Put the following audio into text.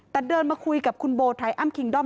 แต่เดินมาคุยกับคุณโบไทอ้ำคิงด้อม